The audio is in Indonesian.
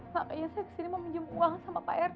makanya saya kesini mau pinjem uang sama pak rt